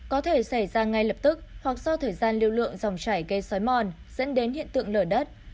có thể xảy ra ngay lập tức hoặc do thời gian lưu lượng dòng chảy gây xói mòn dẫn đến hiện tượng lở đất